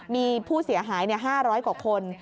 มีผู้เสียหาย๕๐๐กว่าคน